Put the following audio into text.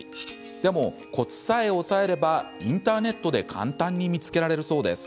でも、コツさえ押さえればインターネットで簡単に見つけられるそうです。